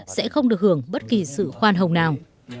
sẽ không được hưởng bất kỳ sự khoan hồng nào